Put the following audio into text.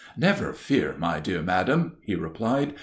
"Never fear, my dear madam," he replied.